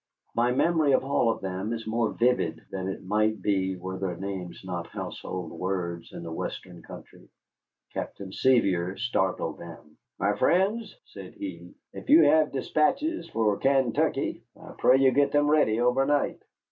My memory of all of them is more vivid than it might be were their names not household words in the Western country. Captain Sevier startled them. "My friends," said he, "if you have despatches for Kaintuckee, I pray you get them ready over night."